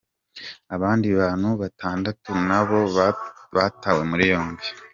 Abandi bantu batandatu na bo batawe muri yombi.